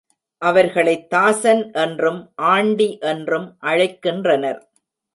அவர்களைத் தாசன் என்றும் ஆண்டி என்றும் அழைக்கின்றனர்.